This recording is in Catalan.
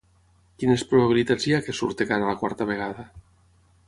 Quines probabilitats hi ha que surti cara la quarta vegada?